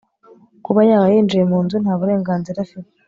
kuba yaba yinjiye munzu ntaburenganzira afite